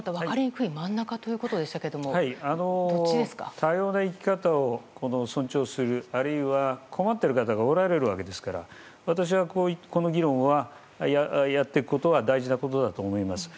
多様な生き方を尊重するあるいは困ってる方がおられるわけですから私はこの議論をやっていくことは大事なことだと思います。